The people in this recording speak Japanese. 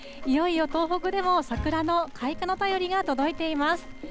いよいよ東北でも桜の開花の便りが届いています。